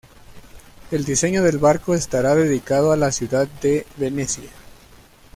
El diseño del barco estará dedicado a la ciudad de Venecia.